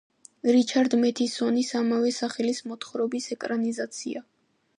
რიჩარდ მეთისონის ამავე სახელის მოთხრობის ეკრანიზაცია.